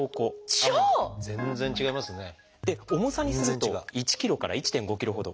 重さにすると１ｋｇから１．５ｋｇほど。